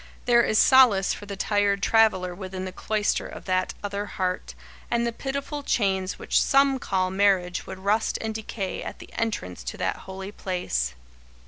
There is solace for the tired traveller within the cloister of that other heart, and the pitiful chains which some call marriage would rust and decay at the entrance to that holy place.